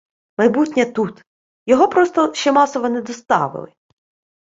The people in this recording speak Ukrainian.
Майбутнє тут. Його просто ще масово не доставили.